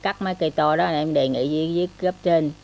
chặt mấy cây to đó em đề nghị với gấp trên